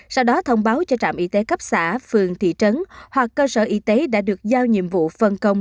sau đó thông báo cho trạm y tế cấp xã phường thị trấn hoặc cơ sở y tế đã được giao nhiệm vụ phân công